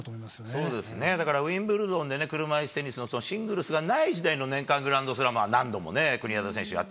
そうですね、だからウィンブルドンで、車いすテニスのシングルスがない時代の年間グランドスラムは何度もね、国枝選手やっ